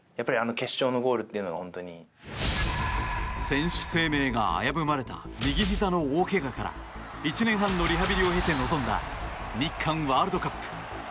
選手生命が危ぶまれた右ひざの大けがから１年半のリハビリを経て臨んだ日韓ワールドカップ。